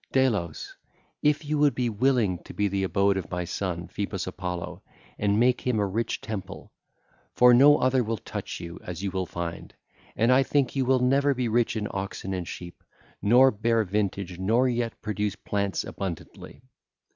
51 61) 'Delos, if you would be willing to be the abode of my son Phoebus Apollo and make him a rich temple—; for no other will touch you, as you will find: and I think you will never be rich in oxen and sheep, nor bear vintage nor yet produce plants abundantly.